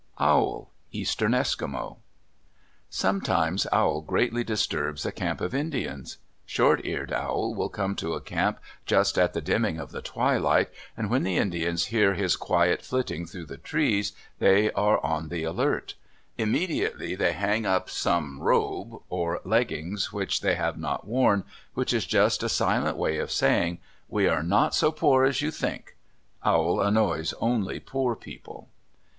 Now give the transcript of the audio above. OWL Eastern Eskimo Sometimes Owl greatly disturbs a camp of Indians. Short eared Owl will come to a camp just at the dimming of the twilight, and when the Indians hear his quiet flitting through the trees they are on the alert. Immediately they hang up some robe or leggings which they have not worn, which is just a silent way of saying, "We are not so poor as you think." Owl annoys only poor people.